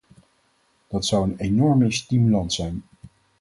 Dat zou een enorme stimulans zijn.